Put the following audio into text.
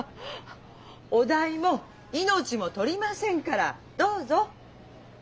お代も命も取りませんからどうぞ。